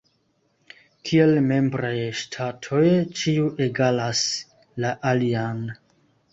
Kiel membraj ŝtatoj, ĉiu egalas la alian.